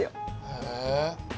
へえ。